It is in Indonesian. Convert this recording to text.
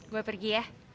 gua pergi ya